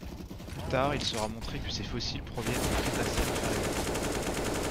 Plus tard il sera montré que ces fossiles proviennent du Crétacé inférieur.